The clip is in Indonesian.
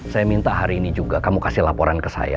saya minta hari ini juga kamu kasih laporan ke saya